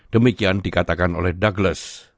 demikian dikatakan oleh douglas